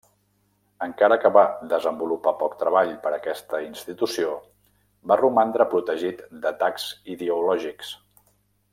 Encara que va desenvolupar poc treball per a aquesta institució, va romandre protegit d'atacs ideològics.